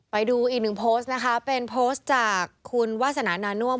ไปดูอีกหนึ่งโพสต์นะคะเป็นโพสต์จากคุณวาสนานาน่วม